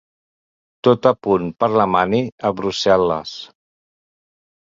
Tot a punt per la mani a Brussel·les.